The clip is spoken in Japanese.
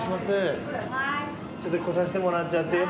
ちょっと来させてもらっちゃって。